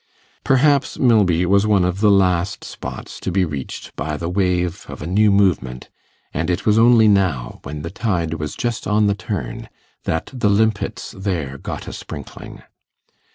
Perhaps Milby was one of the last spots to be reached by the wave of a new movement and it was only now, when the tide was just on the turn, that the limpets there got a sprinkling.